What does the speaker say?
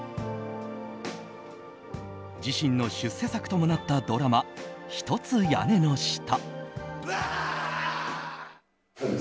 自身の出世作ともなったドラマ「ひとつ屋根の下」。